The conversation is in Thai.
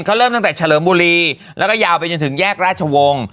เขาเริ่มตั้งแต่เฉลิมบุรีแล้วก็ยาวไปจนถึงแยกราชวงศ์